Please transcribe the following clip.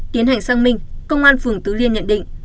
tiến hành sang minh công an phường tứ liên nhận định